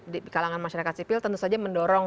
di kalangan masyarakat sipil tentu saja mendorong